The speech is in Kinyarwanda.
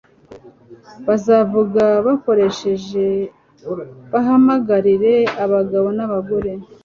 Bazavuga bakomeje bahamagarire abagabo nabagore